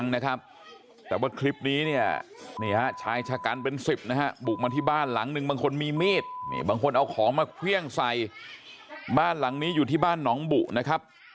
นะครับแต่ว่าคลิปนี้เนี่ยนี่ฮะชายชะกันเป็นสิบนะฮะบุกมาที่บ้านหลังหนึ่งบางคนมีมีดนี่บางคนเอาของมาเครื่องใส่บ้านหลังนี้อยู่ที่บ้านน้องบุนะครับ